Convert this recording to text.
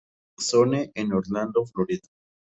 Zone en Orlando, Florida.